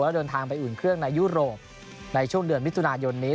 แล้วเดินทางไปอุ่นเครื่องในยุโรปในช่วงเดือนมิถุนายนนี้